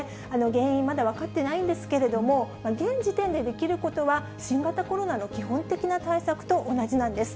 原因、まだ分かってないんですけれども、現時点でできることは、新型コロナの基本的な対策と同じなんです。